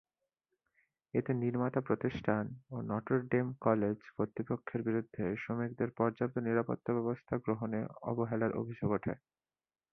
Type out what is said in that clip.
এতে নির্মাতা প্রতিষ্ঠান ও নটর ডেম কলেজ কর্তৃপক্ষের বিরুদ্ধে শ্রমিকদের পর্যাপ্ত নিরাপত্তা ব্যবস্থা গ্রহণে অবহেলার অভিযোগ ওঠে।